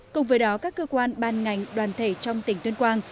cùng với đó các cơ quan ban ngành đoàn thể trong tỉnh tuyên quang